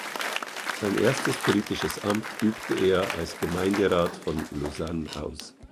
Sein erstes politisches Amt übte er als Gemeinderat von Lausanne aus.